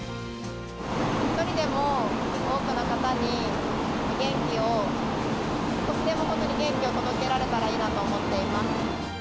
一人でも多くの方に元気を、少しでも本当に元気を届けられたらいいなと思っています。